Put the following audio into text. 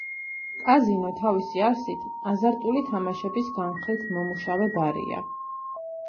კაზინო, თავისი არსით, აზარტული თამაშების განხრით მომუშავე ბარია.